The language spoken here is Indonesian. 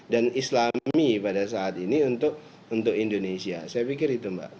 dan islami pada saat ini untuk indonesia saya pikir itu mbak